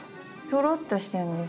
ひょろっとしてるんです。